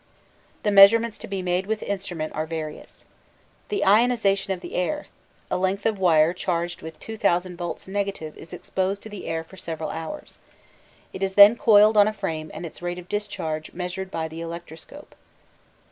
The measurements to be made with instrument are various: The ionization of the air. A length of wire charged with 2000 volts (negative) is exposed to the air for several hours. It is then coiled on a frame and its rate of discharge measured by the electroscope.